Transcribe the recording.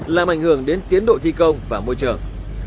làm ảnh hưởng đến tiến độ thi công và môi trường